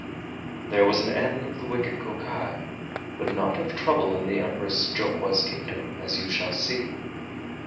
There was an end of the wicked Kokai, but not of trouble in the Empress Jokwa's Kingdom, as you shall see.